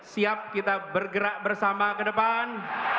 siap kita bergerak bersama kedepan